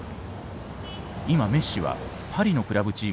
今メッシはパリのクラブチームでプレーしている。